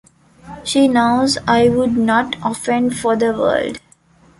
She knows I would not offend for the world.